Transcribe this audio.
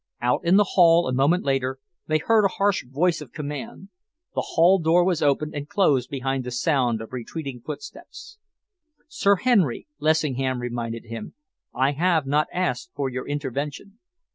Out in the hall, a moment later, they heard a harsh voice of command. The hall door was opened and closed behind the sound of retreating footsteps. "Sir Henry," Lessingham reminded him, "I have not asked for your intervention."